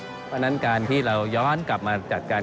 เพราะฉะนั้นการที่เราย้อนกลับมาจัดการ